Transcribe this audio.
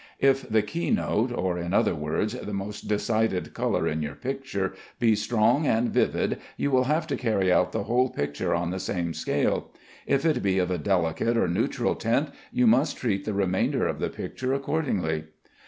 If the key note, or, in other words, the most decided color in your picture, be strong and vivid, you will have to carry out the whole picture on the same scale. If it be of a delicate or neutral tint, you must treat the remainder of the picture accordingly.